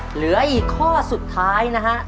เหลืออีกข้อสุดท้ายนะฮะ